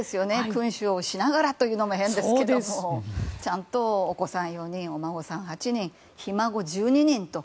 君主をしながらというのも変ですがお子さん、４人お孫さん８人、ひ孫１２人と。